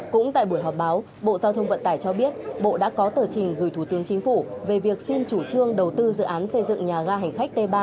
cũng tại buổi họp báo bộ giao thông vận tải cho biết bộ đã có tờ trình gửi thủ tướng chính phủ về việc xin chủ trương đầu tư dự án xây dựng nhà ga hành khách t ba